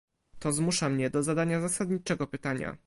To zmusza mnie do zadania zasadniczego pytania